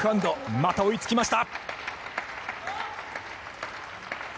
また追いつきました。